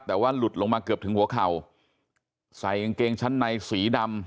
แต่ว่าหลุดลงมาเกือบถึงหัวเข่าใส่กางเกงชั้นในสีดำ